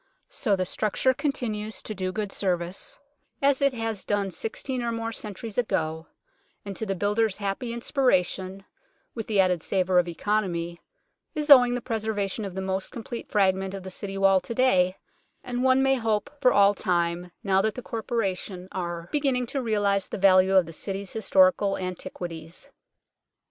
So the structure con tinues to do good service, as it had done sixteen or more centuries ago, and to the builder's happy inspiration (with the added savour of economy) is owing the preservation of the most complete fragment of the City Wall to day, and one may hope for all time, now that the Corporation are REMAINS OF THE CITY WALL 23 beginning to realize the value of the City's historical antiquities.